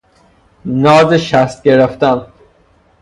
نازشست گرفتن